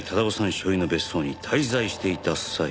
所有の別荘に滞在していた際